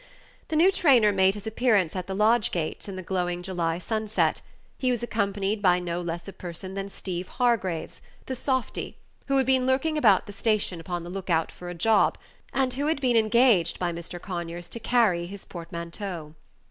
The new trainer made his appearance at the lodge gates in the glowing July sunset; he was accompanied by no less a person than Steeve Hargraves, the softy, who had been lurking about the station upon the look out for a job, and who had been engaged by Mr. Conyers to carry his portmanteau.